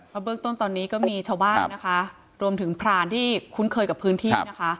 เพราะเบื้องต้นตอนนี้ก็มีชาวบ้านนะคะรวมถึงพรานที่คุ้นเคยกับพื้นที่นะคะ